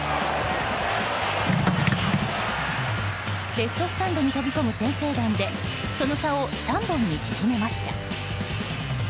レフトスタンドに飛び込む先制弾でその差を３本に縮めました。